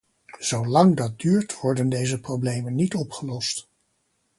Zo lang dat duurt, worden deze problemen niet opgelost!